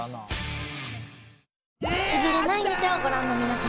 「つぶれない店」をご覧の皆さん